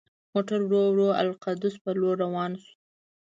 موټر ورو ورو د القدس په لور روان شو.